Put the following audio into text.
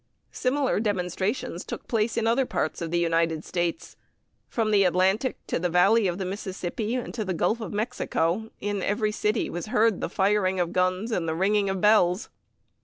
Similar demonstrations took place in other parts of the United States. From the Atlantic to the Valley of the Mississippi, and to the Gulf of Mexico, in every city was heard the firing of guns and the ringing of bells.